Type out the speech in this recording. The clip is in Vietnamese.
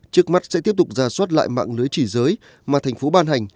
trước mắt sẽ tiếp tục ra soát lại mạng lưới chỉ giới mà thành phố ban hành